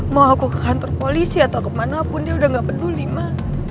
mau aku ke kantor polisi atau kemanapun dia udah gak peduli ma